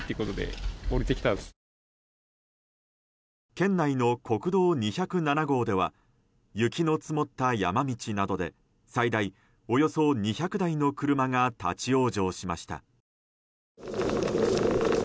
県内の国道２０７号では雪の積もった山道などで最大およそ２００台の車が立ち往生しました。